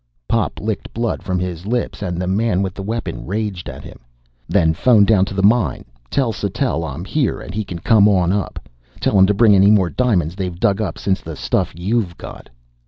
Pop licked blood from his lips and the man with the weapon raged at him. "Then phone down to the mine! Tell Sattell I'm here and he can come on up! Tell him to bring any more diamonds they've dug up since the stuff you've got!"